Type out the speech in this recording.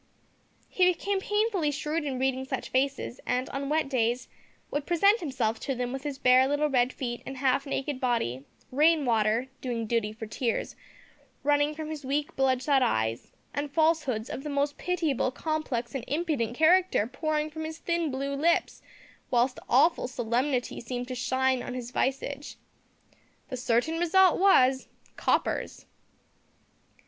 He became painfully shrewd in reading such faces, and, on wet days, would present himself to them with his bare little red feet and half naked body, rain water, (doing duty for tears), running from his weak bloodshot eyes, and falsehoods of the most pitiable, complex, and impudent character pouring from his thin blue lips, whilst awful solemnity seemed to shine on his visage. The certain result was coppers!